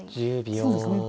そうですね。